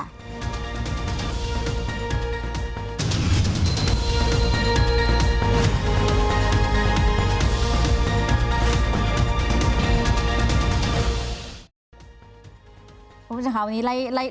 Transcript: พบกันจังครับวันนี้ไล่คุย